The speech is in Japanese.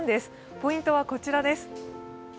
ポイントはこちらです。